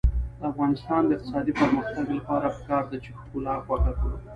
د افغانستان د اقتصادي پرمختګ لپاره پکار ده چې ښکلا خوښه کړو.